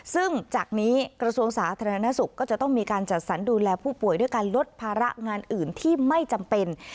ซึ่งจากนี้กระทรวงสาธารณสุขก็จะต้องมีการจัดสรรดูแลผู้ป่วยด้วยการลดภาระงานอื่นที่ไม่จำเป็น